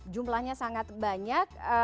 jumlahnya sangat banyak